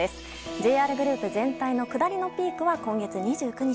ＪＲグループ全体の下りのピークは今月２９日。